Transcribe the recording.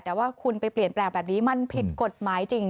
แต่ว่าคุณไปเปลี่ยนแปลงแบบนี้มันผิดกฎหมายจริง